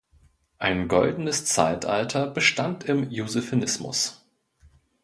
Ein goldenes Zeitalter bestand im Josephinismus.